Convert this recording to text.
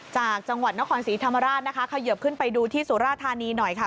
จากจังหวัดนครศรีธรรมราชนะคะเขยิบขึ้นไปดูที่สุราธานีหน่อยค่ะ